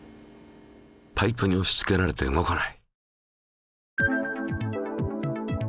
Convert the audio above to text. パイプにおしつけられて動かない。